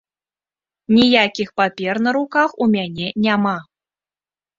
Ніякіх папер на руках у мяне няма.